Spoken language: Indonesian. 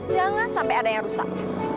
jangan sampai ada yang rusak